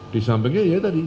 di sampingnya ya tadi